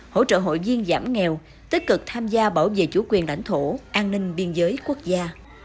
hỗ trợ hội viên giảm nghèo tích cực tham gia bảo vệ chủ quyền đảnh thổ an ninh biên giới quốc gia